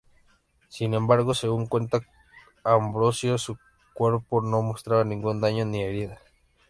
Sin embargo, según cuenta Ambrosio, su cuerpo no mostraba ningún daño ni herida.